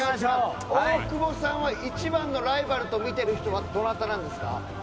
大久保さんは一番のライバルと見ている人はどなたなんですか？